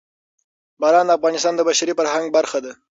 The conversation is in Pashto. باران د افغانستان د بشري فرهنګ برخه ده.